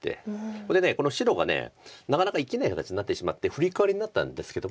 それでこの白がなかなか生きないような形になってしまってフリカワリになったんですけども。